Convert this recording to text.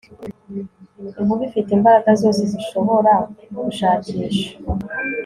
inkuba ifite imbaraga zose zishobora gushakisha